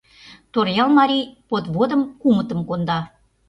Торъял марий подводым кумытым конда.